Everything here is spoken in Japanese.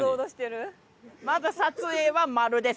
まず撮影は○です。